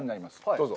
どうぞ。